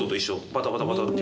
バタバタバタって。